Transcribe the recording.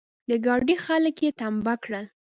د ګاډي خلګ يې ټمبه کړل.